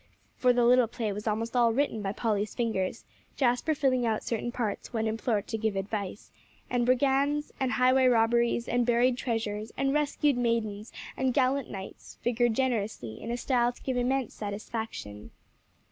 For the little play was almost all written by Polly's fingers, Jasper filling out certain parts when implored to give advice: and brigands, and highway robberies, and buried treasures, and rescued maidens, and gallant knights, figured generously, in a style to give immense satisfaction.